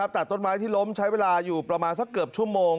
แต่ต้นไม้ที่ล้มใช้เวลาอยู่ประมาณสักเกือบชั่วโมง